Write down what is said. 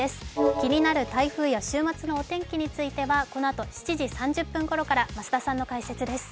気になる台風や週末のお天気についてはこのあと７時３０分ごろから増田さんの解説です。